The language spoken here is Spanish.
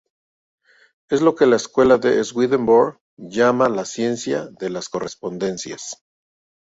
Es lo que la escuela de Swedenborg llama la ciencia de las correspondencias.